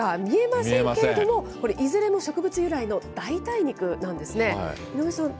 見えませんけれども、いずれも植物由来の代替肉なんですね。